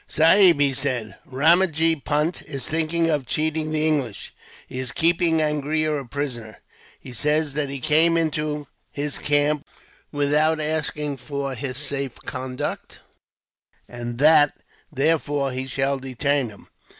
"Sahib," he said, "Ramajee Punt is thinking of cheating the English. He is keeping Angria a prisoner. He says that he came into his camp without asking for a safe conduct; and that, therefore, he shall detain him.